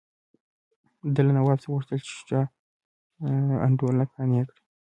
ده له نواب څخه وغوښتل چې شجاع الدوله قانع کړي.